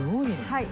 はい。